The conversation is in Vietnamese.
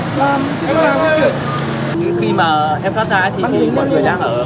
khi mà em thoát ra thì mọi người đang ở khu vực nào